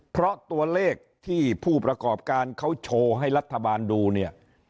เพราะตัวเลขที่ผู้ประกอบการเขาโชว์ให้รัฐบาลดูเนี่ย